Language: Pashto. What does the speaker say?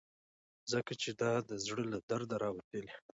ځکه چې دا د زړه له درده راوتلي.